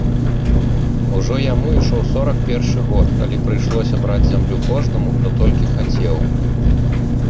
Ужо яму ішоў сорак першы год, калі прыйшлося браць зямлю кожнаму, хто толькі хацеў.